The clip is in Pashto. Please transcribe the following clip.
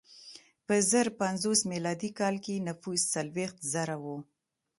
په زر پنځوس میلادي کال کې نفوس څلوېښت زره و.